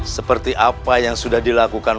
seperti apa yang sudah dilakukan